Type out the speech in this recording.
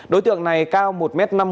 đối tượng này cao một m năm mươi